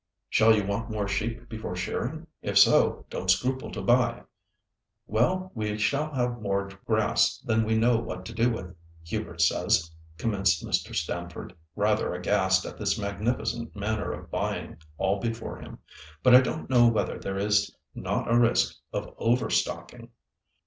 "Shall you want more sheep before shearing? If so, don't scruple to buy." "Well, we shall have more grass than we know what to do with, Hubert says," commenced Mr. Stamford, rather aghast at this magnificent manner of buying all before him; "but I don't know whether there is not a risk of over stocking."